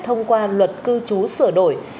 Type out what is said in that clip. thông qua luật cư chú sửa đổi